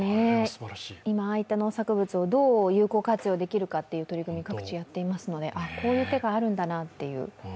今、ああいった農作物をどう有効活用できるかの取り組みを各地やっていますのでこういう手があるんだなという。